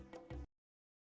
terbesar banyak karta